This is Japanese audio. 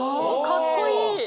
かっこいい！